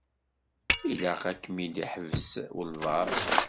Ilaq ad kem-id-iḥbes walebɛaḍ.